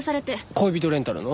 恋人レンタルの？